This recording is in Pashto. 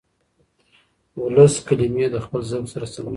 ولس کلمې د خپل ذوق سره سموي.